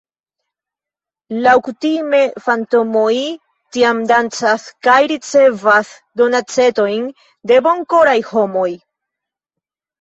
Laŭkutime fantomoj tiam dancas kaj ricevas donacetojn de bonkoraj homoj.